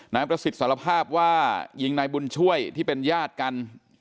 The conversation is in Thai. นายประสิทธิ์สารภาพว่ายิงนายบุญช่วยที่เป็นญาติกัน